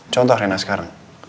contoh reina sekarang